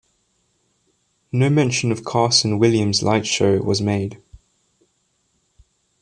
No mention of Carson Williams' light show was made.